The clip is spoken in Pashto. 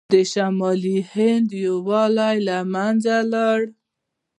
د شمالي هند یووالی له منځه لاړ.